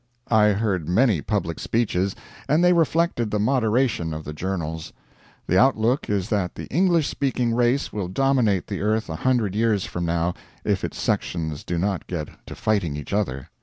I heard many public speeches, and they reflected the moderation of the journals. The outlook is that the English speaking race will dominate the earth a hundred years from now, if its sections do not get to fighting each other.